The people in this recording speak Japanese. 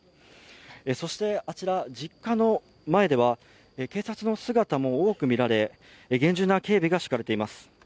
そしてあちら実家の前では警察の姿も多く見られ厳重な警備が敷かれています。